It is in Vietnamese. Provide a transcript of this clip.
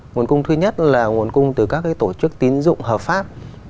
nguồn cung thứ nhất là nguồn cung từ các tổ chức tín dụng hợp pháp